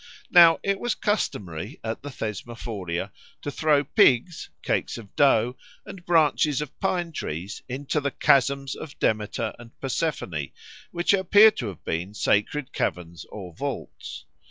Now it was customary at the Thesmophoria to throw pigs, cakes of dough, and branches of pine trees into "the chasms of Demeter and Persephone," which appear to have been sacred caverns or vaults.